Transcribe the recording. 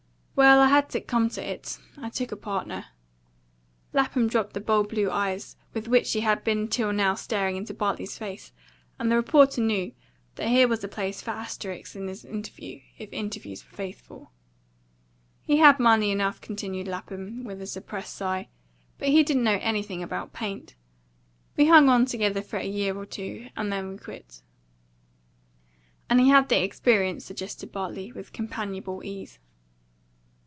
Well, I had to come to it. I took a partner." Lapham dropped the bold blue eyes with which he had been till now staring into Bartley's face, and the reporter knew that here was a place for asterisks in his interview, if interviews were faithful. "He had money enough," continued Lapham, with a suppressed sigh; "but he didn't know anything about paint. We hung on together for a year or two. And then we quit." "And he had the experience," suggested Bartley, with companionable ease.